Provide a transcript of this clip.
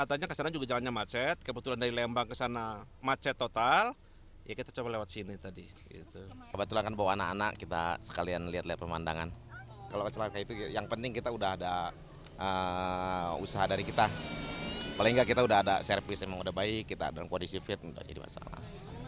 usaha dari kita paling tidak kita sudah ada servis yang baik kita dalam kondisi fit tidak jadi masalah